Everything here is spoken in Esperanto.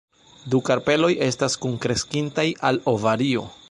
Du karpeloj estas kunkreskintaj al ovario.